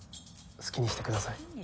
好きにしてください。